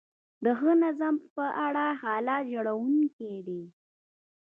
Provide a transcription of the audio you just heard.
د ښه نظم په اړه حالت ژړونکی دی.